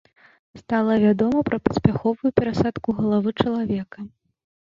Стала вядома пра паспяховую перасадку галавы чалавека.